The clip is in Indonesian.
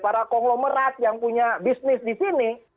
para konglomerat yang punya bisnis di sini